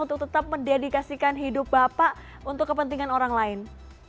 untuk tetap mendedikasikan hidup bapak untuk kepentingan orang lain